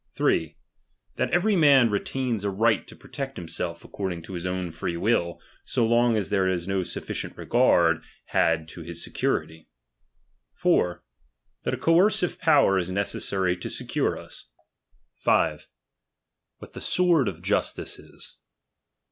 S. That every man retainn a right to m protect himself according to his own free will, so long as there ■ is DO sufficient regard had to liis security, 4, That a coercive power is necessary to secure us. 5. What the sword of justice is.